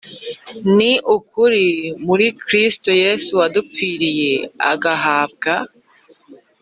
Ni ukuri muri Kristo Yesu wadupfiriye agahambwa